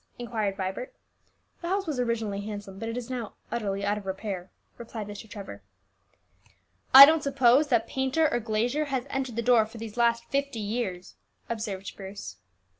inquired Vibert. "The house was originally handsome, but it is now utterly out of repair," replied Mr. Trevor. "I don't suppose that painter or glazier has entered the door for these last fifty years," observed Bruce.